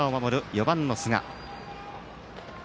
４番の寿賀。